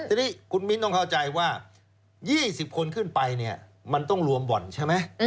ทีนี้คุณมิ้นต้องเข้าใจว่า๒๐คนขึ้นไปเนี่ยมันต้องรวมบ่อนใช่ไหม